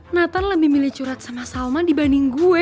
nathan lebih milih curhat sama salman dibanding gue